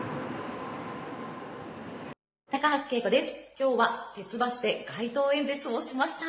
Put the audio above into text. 今日は鉄橋で街頭演説をしました！